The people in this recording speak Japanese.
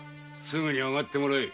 すぐに上がってもらえ。